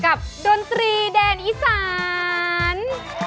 ดนตรีแดนอีสาน